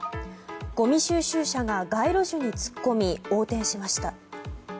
ごみ収集車が街路樹に突っ込み横転しました。